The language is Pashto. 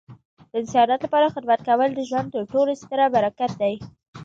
د انسانیت لپاره خدمت کول د ژوند تر ټولو ستره برکت دی.